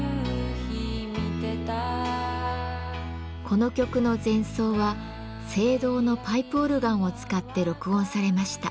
この曲の前奏は聖堂のパイプオルガンを使って録音されました。